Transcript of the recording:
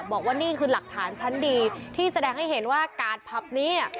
บอกว่านี่คือหลักฐานชั้นดีที่แสดงให้เห็นว่ากาดผับนี้